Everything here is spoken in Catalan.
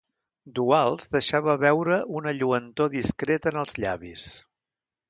Duals deixava veure una lluentor discreta en els llavis.